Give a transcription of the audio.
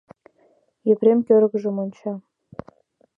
Епрем кӧргыжым онча.